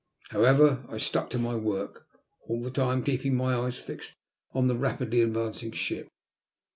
However, I stuck to my work, all the time keep ing my eyes fixed on the rapidly advancing ship.